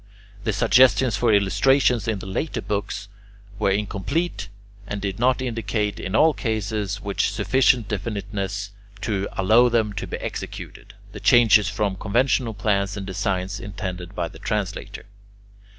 The suggestions for illustrations in the later books were incomplete, and did not indicate, in all cases, with sufficient definiteness to allow them to be executed, the changes from conventional plans and designs intended by the translator.